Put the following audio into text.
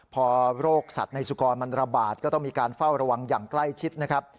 พอโรคสัตว์ในสุกรมันระบาดก็ต้องมีการเฝ้าระวังอย่างใกล้ชิดนะครับ